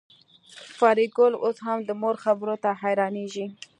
فریدګل اوس هم د مور خبرو ته حیرانېږي